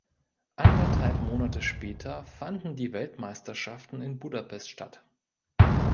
Anderthalb Monate später fanden die Weltmeisterschaften in Budapest statt.